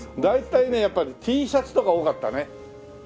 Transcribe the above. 大体ねやっぱりＴシャツとか多かったね。